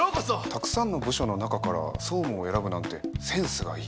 たくさんの部署の中から総務を選ぶなんてセンスがいい。